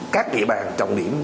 các địa bàn trọng điểm